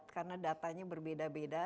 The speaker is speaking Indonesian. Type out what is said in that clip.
karena datanya berbeda beda